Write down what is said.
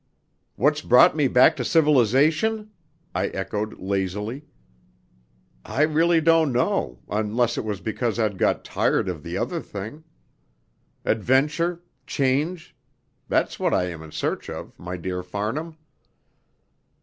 "What's brought me back to civilisation?" I echoed, lazily. "I really don't know unless it was because I'd got tired of the other thing. Adventure change that's what I am in search of, my dear Farnham."